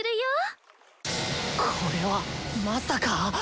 心の声これはまさか。